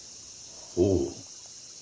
ほう。